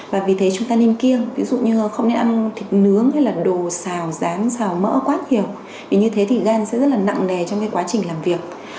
và vì thế chúng ta nên kiêng ví dụ như không nên ăn thịt nướng hay là đồ xào rán xào mỡ quá nhiều vì như thế thì gan sẽ rất là nặng nề trong quá trình làm việc